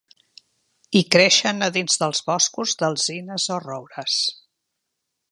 I creixen a dins dels boscos d'alzines o roures.